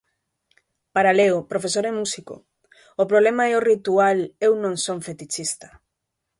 Para Leo, profesor e músico, "o problema é o ritual, eu non son fetichista".